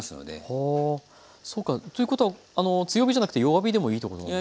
はあそうか。ということは強火じゃなくて弱火でもいいってことなんですね。